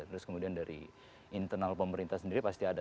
terus kemudian dari internal pemerintah sendiri pasti ada